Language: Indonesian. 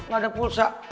gak ada pulsa